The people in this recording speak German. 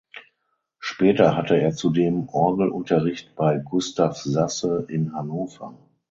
Später hatte er zudem Orgelunterricht bei Gustav Sasse in Hannover.